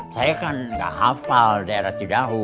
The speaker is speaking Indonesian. saya kan gak hafal daerah cidahu